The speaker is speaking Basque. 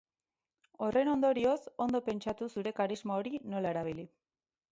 Horren ondorioz, ondo pentsatu zure karisma hori nola erabili.